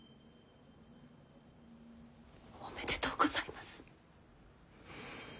おめでとうございます。